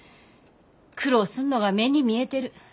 苦労すんのが目に見えてる。